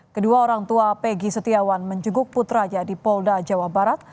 kedua orang tua pegi setiawan menjenguk putranya di polda jawa barat